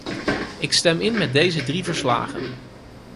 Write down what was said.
Ik stem in met deze drie verslagen.